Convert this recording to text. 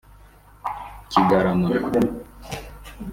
Kigarama